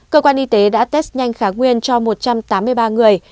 cơ quan y tế đã test nhanh kháng nguyên cho một trăm tám mươi ba người